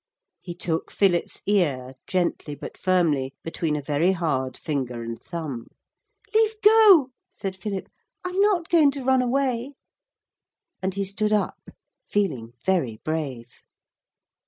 He took Philip's ear gently but firmly between a very hard finger and thumb. 'Leave go,' said Philip, 'I'm not going to run away.' And he stood up feeling very brave.